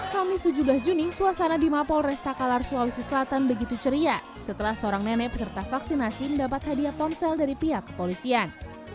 kamis tujuh belas juni suasana di mapol restakalar sulawesi selatan begitu ceria setelah seorang nenek peserta vaksinasi mendapat hadiah ponsel dari pihak kepolisian